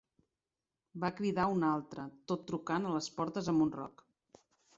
Va cridar un altre, tot trucant a les portes amb un roc.